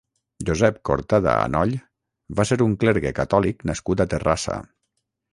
Josep Cortada Anoll va ser un clergue catòlic nascut a Terrassa.